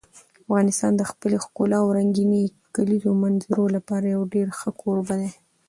افغانستان د خپلې ښکلې او رنګینې کلیزو منظره لپاره یو ډېر ښه کوربه دی.